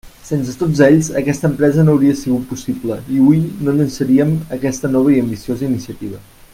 Sense tots ells, aquesta empresa no hauria sigut possible i hui no llançaríem aquesta nova i ambiciosa iniciativa.